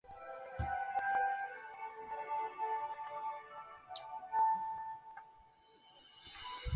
其中的暗礁经常从超过一千米的水深急速上升。